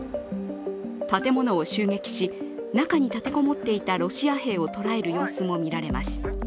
建物を襲撃し、中に立てこもっていたロシア兵を捕らえる様子も見られます。